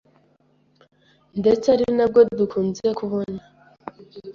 ndetse ari na bwo dukunze kubona,